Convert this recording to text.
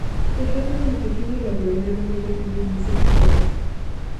A pesar de lo reducido de la población, la lengua tiene un uso vigoroso.